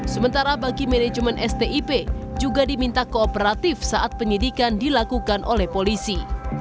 sementara bagi manajemen stip juga diminta kooperatif saat penyidikan dilakukan oleh polisi